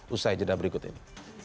usai cerita berikut ini